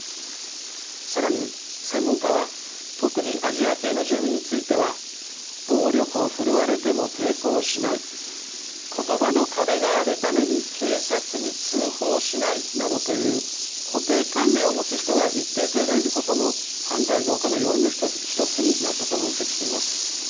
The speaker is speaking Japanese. さらに専門家は特にアジア系の住民については暴力を振るわれても抵抗しない言葉の壁があるために警察に通報しないなどという固定観念を持つ人が一定程度いることも犯罪増加の要因の１つになったと分析しています。